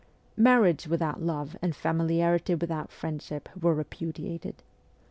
Marriage without love and familiarity without friendship were repudiated.